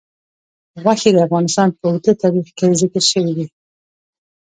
غوښې د افغانستان په اوږده تاریخ کې ذکر شوی دی.